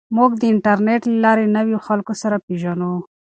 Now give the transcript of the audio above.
موږ د انټرنیټ له لارې له نویو خلکو سره پېژنو.